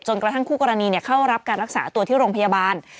กระทั่งคู่กรณีเข้ารับการรักษาตัวที่โรงพยาบาล